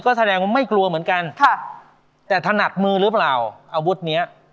ก็แสดงว่าไม่กลัวเหมือนกันค่ะแต่ถนัดมือหรือเปล่าอาวุธเนี้ย